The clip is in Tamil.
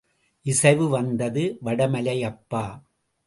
இசைவு வந்தது வடமலை அப்பா!